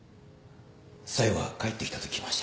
小夜が帰ってきたと聞きまして。